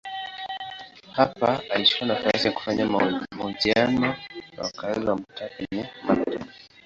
Hapa alichukua nafasi ya kufanya mahojiano na wakazi wa mtaa penye maktaba.